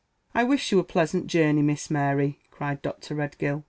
"I wish you a pleasant journey, Miss Mary," cried Dr. Redgill.